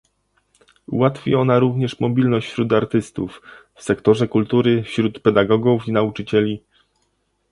Ułatwi ona również mobilność wśród artystów, w sektorze kultury, wśród pedagogów i nauczycieli